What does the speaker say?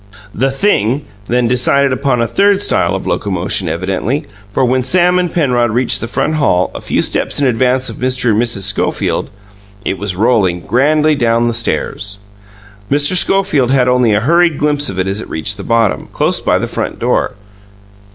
The Thing then decided upon a third style of locomotion, evidently, for when Sam and Penrod reached the front hall, a few steps in advance of Mr. and Mrs. Schofield, it was rolling grandly down the stairs. Mr. Schofield had only a hurried glimpse of it as it reached the bottom, close by the front door.